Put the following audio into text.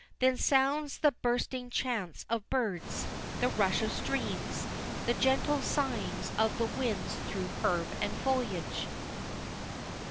Then sounds the bursting chants of birds, the rush of streams, the gentle sighings of the winds through herb and foliage.